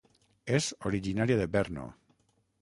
És originària de Brno.